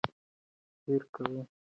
پېیر کوري د راډیوم په اړه معلومات شریک کړل.